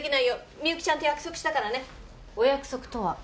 みゆきちゃんと約束したからねお約束とは？